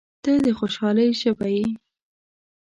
• ته د خوشحالۍ ژبه یې.